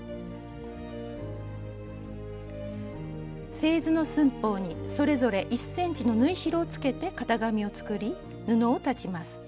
製図の寸法にそれぞれ１ｃｍの縫い代をつけて型紙を作り布を裁ちます。